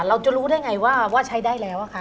เราจะรู้ได้ไงว่าใช้ได้แล้วคะ